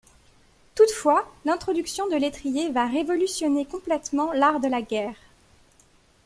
Toutefois, l'introduction de l'étrier va révolutionner complètement l'art de la guerre.